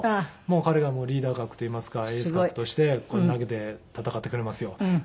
彼がリーダー格といいますかエース格として投げて戦ってくれますよ。